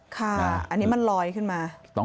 ค่ะอันนี้มันลอยขึ้นมา